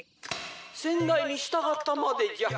先代に従ったまでじゃ。